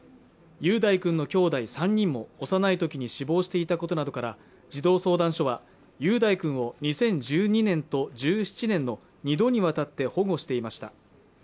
雄大君のきょうだい３人も幼い時に死亡していたことなどから児童相談所は雄大君を２０１２年と１７年の２度にわたって保護していました